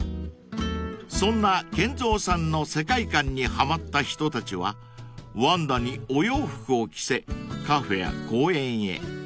［そんなＫＥＮＺＯさんの世界観にはまった人たちはワンダにお洋服を着せカフェや公園へ］